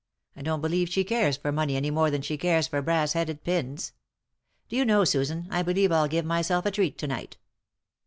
I don't believe she cares for money any more than she cares for brass headed pins. Do you know, Susan, I believe I'll give myself a treat to night."